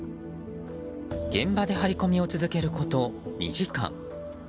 現場で張り込みを続けること２時間。